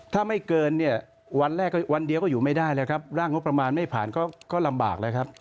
ถ้าไม่เกินเนี่ยวันแรกก็วันเดียวก็อยู่ไม่ได้แล้วครับร่างงบประมาณไม่ผ่านก็ลำบากแล้วครับ